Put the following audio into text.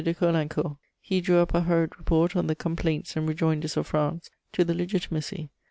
de Caulaincourt; he drew up a hurried report on "the complaints and rejoinders of France" to the Legitimacy.